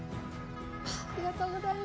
ありがとうございます。